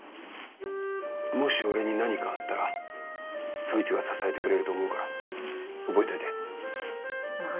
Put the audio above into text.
もし俺に何かあったらそいつが支えてくれると思うから覚えといて何？